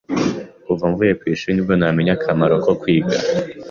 Kuva mvuye ku ishuri ni bwo namenye akamaro ko kwiga.